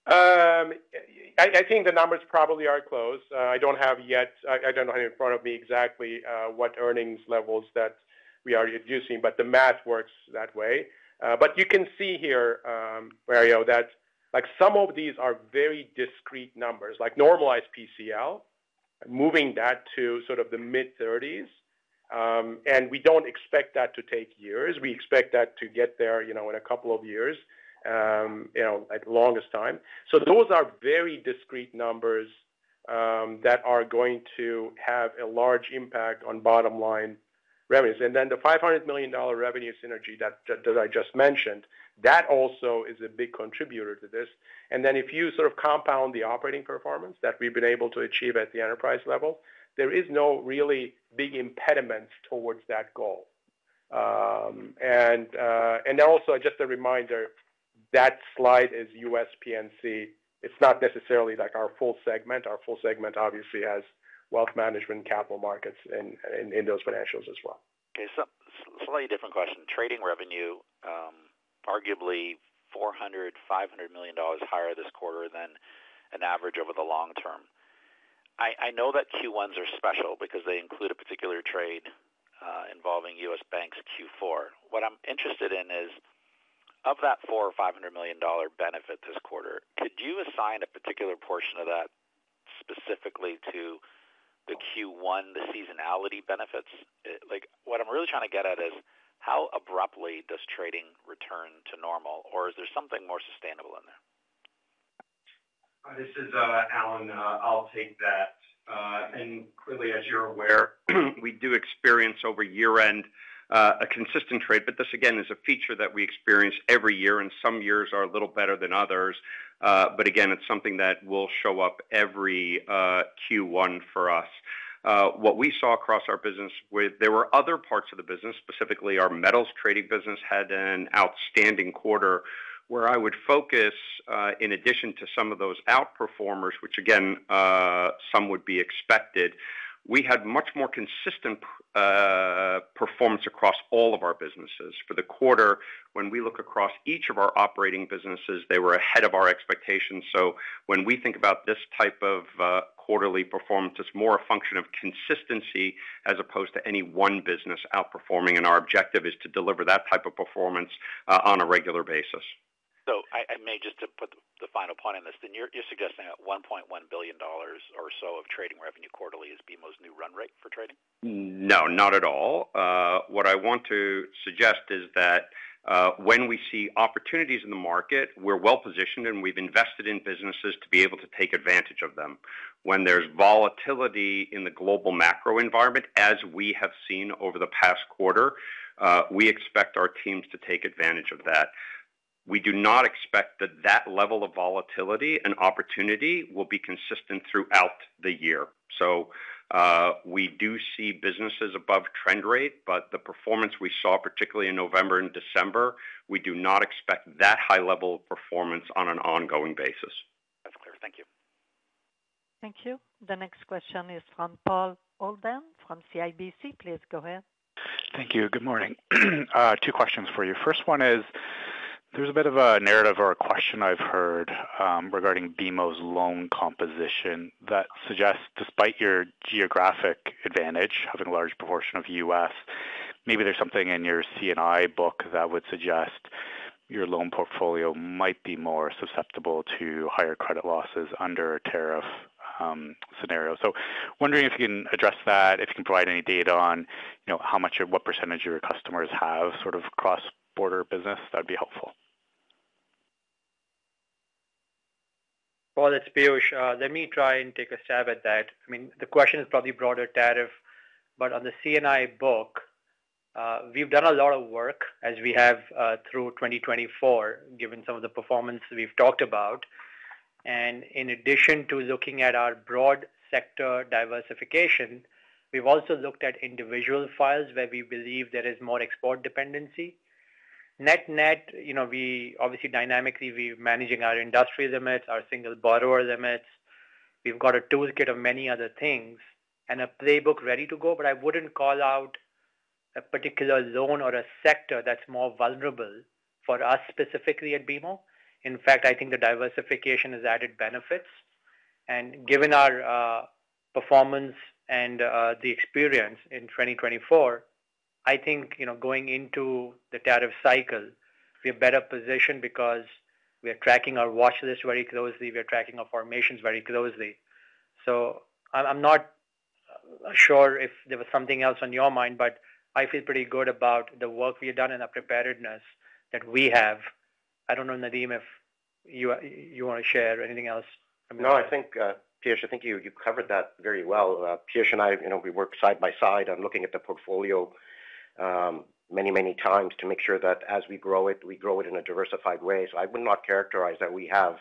I think the numbers probably are close. I don't have it in front of me exactly what earnings levels that we are using, but the math works that way. But you can see here, Mario, that some of these are very discrete numbers, like normalized PCL, moving that to sort of the mid-30s. And we don't expect that to take years. We expect that to get there in a couple of years, at the longest time. So those are very discrete numbers that are going to have a large impact on bottom-line revenues. And then the $500 million revenue synergy that I just mentioned, that also is a big contributor to this. Then if you sort of compound the operating performance that we've been able to achieve at the enterprise level, there is no really big impediment towards that goal. And also, just a reminder, that slide is U.S. P&C. It's not necessarily our full segment. Our full segment obviously has wealth management, capital markets, and those financials as well. Okay. Slightly different question. Trading revenue, arguably $400-$500 million higher this quarter than an average over the long term. I know that Q1s are special because they include a particular trade involving U.S. banks Q4. What I'm interested in is, of that $400 or $500 million benefit this quarter, could you assign a particular portion of that specifically to the Q1, the seasonality benefits? What I'm really trying to get at is how abruptly does trading return to normal, or is there something more sustainable in there? This is Alan. I'll take that. Clearly, as you're aware, we do experience over year-end a consistent trade. But this, again, is a feature that we experience every year, and some years are a little better than others. But again, it's something that will show up every Q1 for us. What we saw across our business, there were other parts of the business, specifically our metals trading business, had an outstanding quarter where I would focus in addition to some of those outperformers, which again, some would be expected. We had much more consistent performance across all of our businesses. For the quarter, when we look across each of our operating businesses, they were ahead of our expectations. So when we think about this type of quarterly performance, it's more a function of consistency as opposed to any one business outperforming. Our objective is to deliver that type of performance on a regular basis. So I may just put the final point on this. Then you're suggesting that 1.1 billion dollars or so of trading revenue quarterly is BMO's new run rate for trading? No, not at all. What I want to suggest is that when we see opportunities in the market, we're well-positioned, and we've invested in businesses to be able to take advantage of them. When there's volatility in the global macro environment, as we have seen over the past quarter, we expect our teams to take advantage of that. We do not expect that that level of volatility and opportunity will be consistent throughout the year. So we do see businesses above trend rate, but the performance we saw, particularly in November and December, we do not expect that high-level performance on an ongoing basis. That's clear. Thank you. Thank you. The next question is from Paul Holden from CIBC. Please go ahead. Thank you. Good morning. Two questions for you. First one is, there's a bit of a narrative or a question I've heard regarding BMO's loan composition that suggests, despite your geographic advantage, having a large proportion of U.S., maybe there's something in your C&I book that would suggest your loan portfolio might be more susceptible to higher credit losses under a tariff scenario. So wondering if you can address that, if you can provide any data on how much or what percentage your customers have sort of cross-border business. That would be helpful. That's Piyush. Let me try and take a stab at that. I mean, the question is probably broader tariff, but on the C&I book, we've done a lot of work as we have through 2024, given some of the performance we've talked about. And in addition to looking at our broad sector diversification, we've also looked at individual files where we believe there is more export dependency. Net net, we obviously dynamically we're managing our industry limits, our single borrower limits. We've got a toolkit of many other things and a playbook ready to go. But I wouldn't call out a particular loan or a sector that's more vulnerable for us specifically at BMO. In fact, I think the diversification has added benefits. And given our performance and the experience in 2024, I think going into the tariff cycle, we're better positioned because we're tracking our watch list very closely. We're tracking our formations very closely. I'm not sure if there was something else on your mind, but I feel pretty good about the work we have done and the preparedness that we have. I don't know, Nadim, if you want to share anything else. No, I think, Piyush, I think you covered that very well. Piyush and I, we work side by side. I'm looking at the portfolio many, many times to make sure that as we grow it, we grow it in a diversified way. So I would not characterize that we have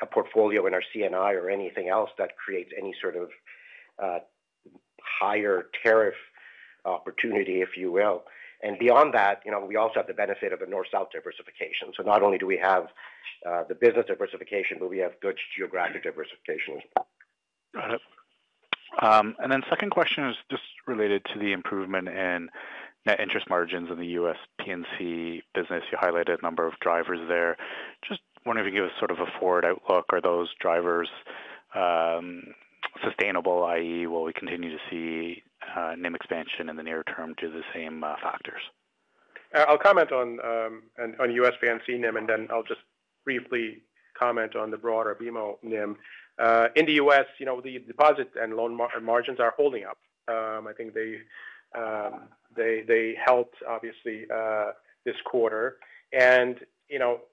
a portfolio in our C&I or anything else that creates any sort of higher tariff opportunity, if you will. And beyond that, we also have the benefit of the north-south diversification. So not only do we have the business diversification, but we have good geographic diversification as well. Got it. And then second question is just related to the improvement in net interest margins in the U.S. P&C business. You highlighted a number of drivers there. Just wondering if you can give us sort of a forward outlook. Are those drivers sustainable, i.e., will we continue to see NIM expansion in the near term due to the same factors? I'll comment on U.S. P&C NIM, and then I'll just briefly comment on the broader BMO NIM. In the U.S., the deposit and loan margins are holding up. I think they helped, obviously, this quarter. And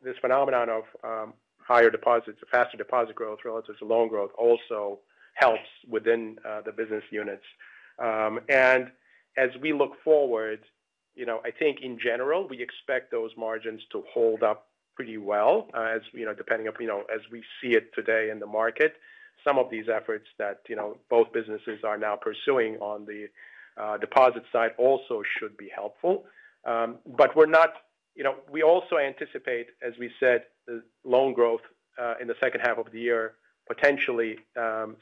this phenomenon of higher deposits, faster deposit growth relative to loan growth also helps within the business units. And as we look forward, I think in general, we expect those margins to hold up pretty well depending on as we see it today in the market. Some of these efforts that both businesses are now pursuing on the deposit side also should be helpful, but we're not. We also anticipate, as we said, the loan growth in the second half of the year potentially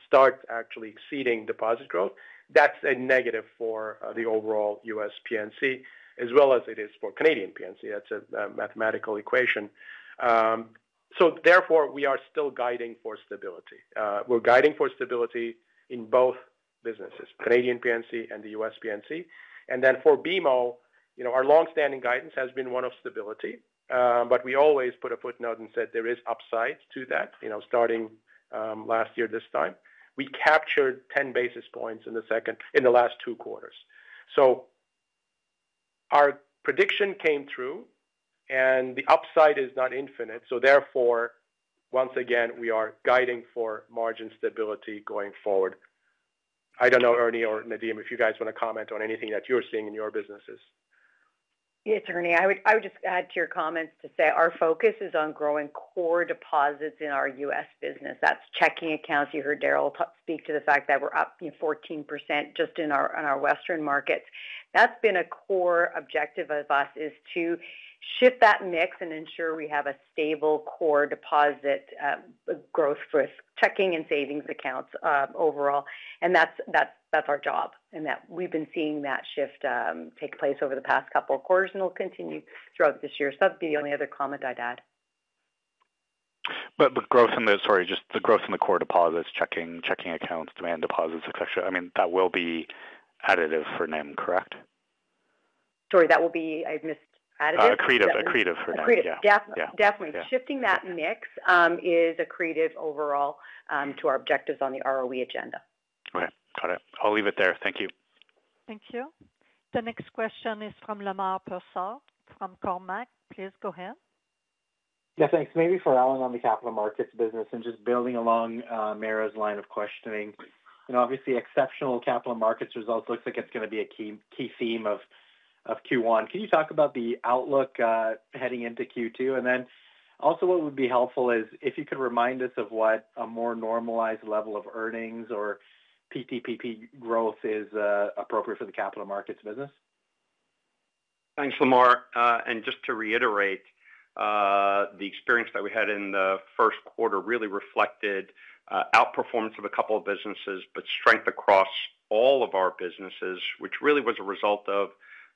start actually exceeding deposit growth. That's a negative for the overall U.S. P&C, as well as it is for Canadian P&C. That's a mathematical equation, so therefore, we are still guiding for stability. We're guiding for stability in both businesses, Canadian P&C and the U.S. P&C, and then for BMO, our long-standing guidance has been one of stability, but we always put a footnote and said there is upside to that. Starting last year this time, we captured 10 basis points in the last two quarters, so our prediction came through, and the upside is not infinite, so therefore, once again, we are guiding for margin stability going forward. I don't know, Ernie or Nadim, if you guys want to comment on anything that you're seeing in your businesses. Yes, Ernie. I would just add to your comments to say our focus is on growing core deposits in our U.S. business. That's checking accounts. You heard Darryl speak to the fact that we're up 14% just in our Western markets. That's been a core objective of us is to shift that mix and ensure we have a stable core deposit growth for checking and savings accounts overall. And that's our job. And we've been seeing that shift take place over the past couple of quarters, and it'll continue throughout this year. So that'd be the only other comment I'd add. But the growth in the core deposits, checking accounts, demand deposits, etc. I mean, that will be additive for NIM, correct? Sorry, that will be. I missed additive. Accretive for NIM. Yeah. Accretive. Definitely. Shifting that mix is creative overall to our objectives on the ROE agenda. Okay. Got it. I'll leave it there. Thank you. Thank you. The next question is from Lemar Persaud from Cormark. Please go ahead. Yes, thanks. Maybe for Alan on the capital markets business and just building on Mario's line of questioning. Obviously, exceptional capital markets results looks like it's going to be a key theme of Q1. Can you talk about the outlook heading into Q2? And then also what would be helpful is if you could remind us of what a more normalized level of earnings or PPPT growth is appropriate for the capital markets business. Thanks, Lemar. Just to reiterate, the experience that we had in the first quarter really reflected outperformance of a couple of businesses, but strength across all of our businesses, which really was a result of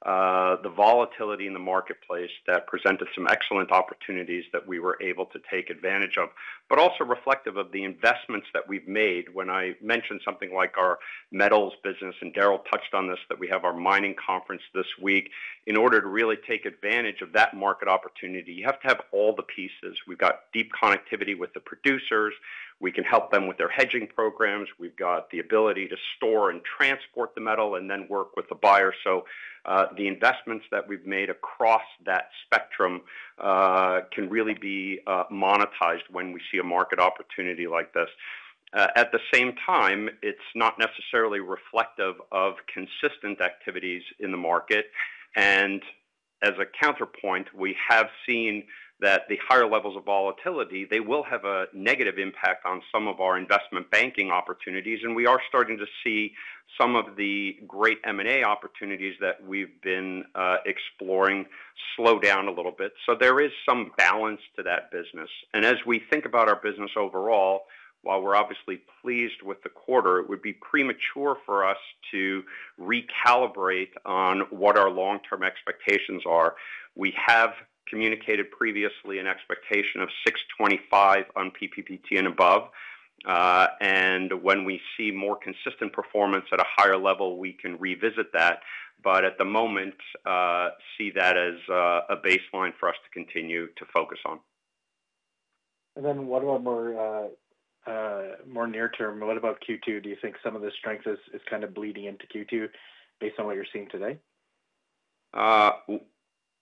the volatility in the marketplace that presented some excellent opportunities that we were able to take advantage of, but also reflective of the investments that we've made. When I mentioned something like our metals business, and Darryl touched on this, that we have our mining conference this week. In order to really take advantage of that market opportunity, you have to have all the pieces. We've got deep connectivity with the producers. We can help them with their hedging programs. We've got the ability to store and transport the metal and then work with the buyer. So the investments that we've made across that spectrum can really be monetized when we see a market opportunity like this. At the same time, it's not necessarily reflective of consistent activities in the market. And as a counterpoint, we have seen that the higher levels of volatility, they will have a negative impact on some of our investment banking opportunities. And we are starting to see some of the great M&A opportunities that we've been exploring slow down a little bit. So there is some balance to that business. And as we think about our business overall, while we're obviously pleased with the quarter, it would be premature for us to recalibrate on what our long-term expectations are. We have communicated previously an expectation of 625 on PPPT and above. And when we see more consistent performance at a higher level, we can revisit that. But at the moment, see that as a baseline for us to continue to focus on. And then what about more near-term? What about Q2? Do you think some of the strength is kind of bleeding into Q2 based on what you're seeing today?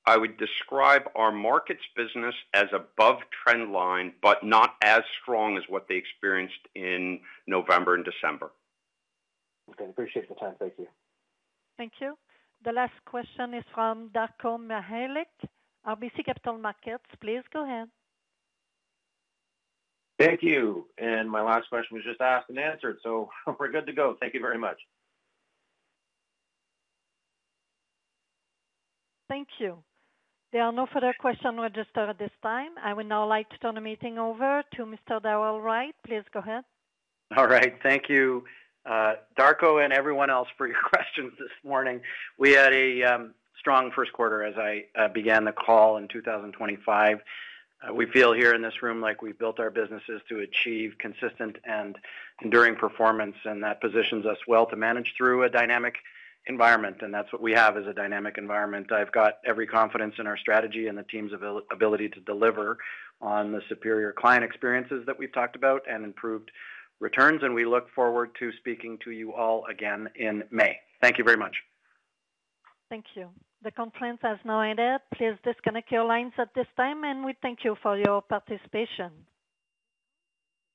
I would describe our markets business as above trend line, but not as strong as what they experienced in November and December. Okay. Appreciate the time. Thank you. Thank you. The last question is from Darko Mihelic. RBC Capital Markets. Please go ahead. Thank you. And my last question was just asked and answered. So we're good to go. Thank you very much. Thank you. There are no further questions registered at this time. I would now like to turn the meeting over to Mr. Darryl White. Please go ahead. All right. Thank you, Darko and everyone else for your questions this morning. We had a strong first quarter as I began the call in 2025. We feel here in this room like we've built our businesses to achieve consistent and enduring performance, and that positions us well to manage through a dynamic environment. And that's what we have as a dynamic environment. I've got every confidence in our strategy and the team's ability to deliver on the superior client experiences that we've talked about and improved returns. And we look forward to speaking to you all again in May. Thank you very much. Thank you. The conference has now ended. Please disconnect your lines at this time, and we thank you for your participation.